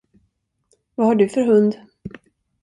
Vad har du för hund?